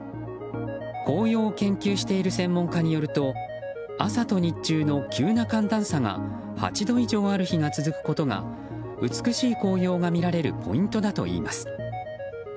紅葉を研究している専門家によると朝と日中の急な寒暖差が８度以上ある日が続くことが美しい紅葉が見られるポイントだといいます。